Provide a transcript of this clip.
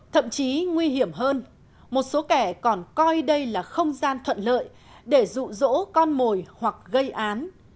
thậm chí nguy hiểm hơn một số kẻ còn coi đây là không gian thuận lợi để rụ rỗ con mồi hoặc gây án